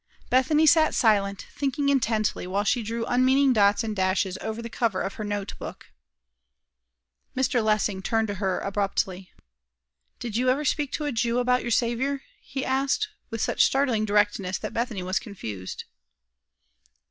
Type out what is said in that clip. Bethany sat silent, thinking intently, while she drew unmeaning dots and dashes over the cover of her note book. Mr. Lessing turned to her abruptly. "Did you ever speak to a Jew about your Savior?" he asked, with such startling directness, that Bethany was confused.